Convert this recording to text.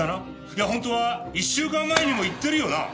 いや本当は１週間前にも行ってるよなぁ？